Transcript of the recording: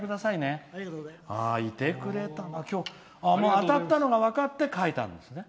当たったのが分かって書いたんですね。